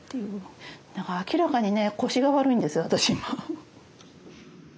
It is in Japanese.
だから明らかにね腰が悪いんです私今。